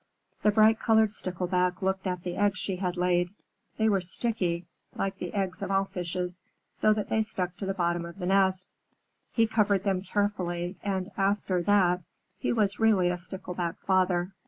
The bright colored Stickleback looked at the eggs she had laid. They were sticky, like the eggs of all fishes, so that they stuck to the bottom of the nest. He covered them carefully, and after that he was really a Stickleback Father.